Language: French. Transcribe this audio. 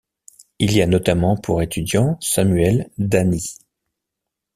Il y a notamment pour étudiant Samuel d'Ani.